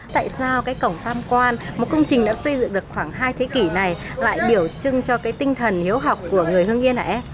tại sao cái cổng tam quan một công trình đã xây dựng được khoảng hai thế kỷ này lại biểu trưng cho cái tinh thần hiếu học của người hương yên này